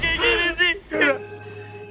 kenapa jadi kayak gini sih